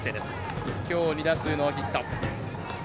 きょう２打数ノーヒット。